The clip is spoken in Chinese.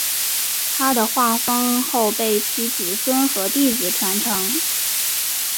他的画风后被其子孙和弟子传承。